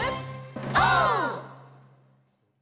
オー！